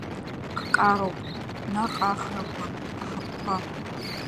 Ккароуп, наҟ ахрақәа, аҳаԥқәа.